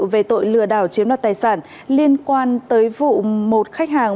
về tội lừa đảo chiếm đoạt tài sản liên quan tới vụ một khách hàng